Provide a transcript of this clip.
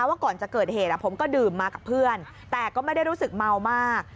ว่าก่อนจะเกิดเหตุผมก็ดื่มมากับเพื่อนแต่ก็ไม่ได้รู้สึกเมามาก